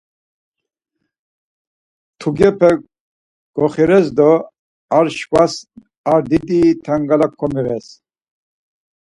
Mtugepe goixires do ar şvacis ar didi t̆angala komoiğes.